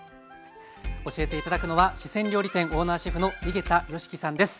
教えて頂くのは四川料理店オーナーシェフの井桁良樹さんです。